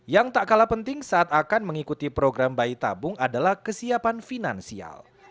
yang tak kalah penting saat akan mengikuti program bayi tabung adalah kesiapan finansial